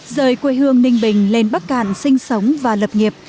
rời quê hương ninh bình lên bắc cạn sinh sống và lập nghiệp